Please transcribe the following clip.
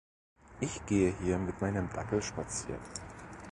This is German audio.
Ich gehe hier mit meinem Dackel spazieren.